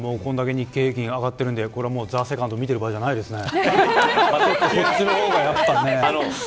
こんだけ日経平均上がっているんでＴＨＥＳＥＣＯＮＤ見ている場合じゃないですね。